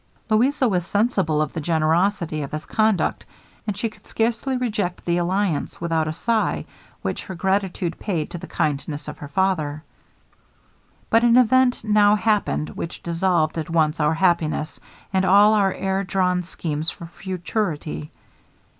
Louisa was sensible of the generosity of his conduct, and she could scarcely reject the alliance without a sigh, which her gratitude paid to the kindness of her father. 'But an event now happened which dissolved at once our happiness, and all our air drawn schemes for futurity.